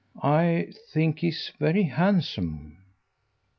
"I think he's very handsome."